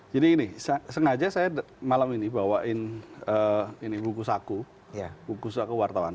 jadi ini sengaja saya malam ini bawain buku saku buku saku wartawan